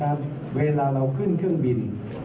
โรคนี้เวลาเราขึ้นเครื่องบิน